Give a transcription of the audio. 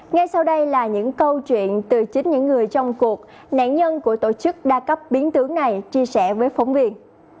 ngay sau đây là những câu chuyện từ chính những người trong cuộc nạn nhân của tổ chức đa cấp biến tướng này chia sẻ với phóng viên